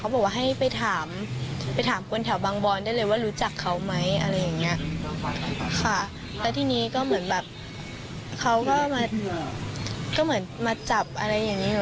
บอกว่าให้ไปถามไปถามคนแถวบางบอนได้เลยว่ารู้จักเขาไหมอะไรอย่างเงี้ยค่ะแล้วทีนี้ก็เหมือนแบบเขาก็มาก็เหมือนมาจับอะไรอย่างนี้